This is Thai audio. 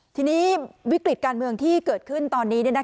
ทีนี้วิกฤตการเมืองที่เกิดขึ้นตอนนี้